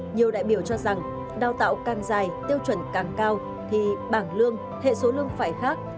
nhiều đại biểu cho rằng đào tạo càng dài tiêu chuẩn càng cao thì bảng lương hệ số lương phải khác